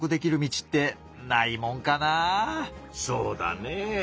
そうだねぇ。